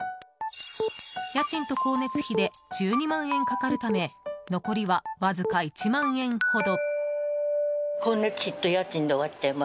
家賃と光熱費で１２万円かかるため残りはわずか１万円ほど。